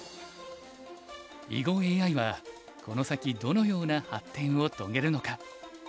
囲碁ＡＩはこの先どのような発展を遂げるのか。